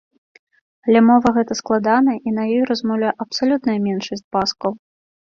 Але мова гэта складаная, і на ёй размаўляе абсалютная меншасць баскаў.